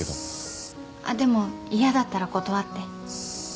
でも嫌だったら断って。